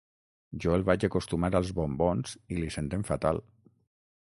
Jo el vaig acostumar als bombons i li senten fatal.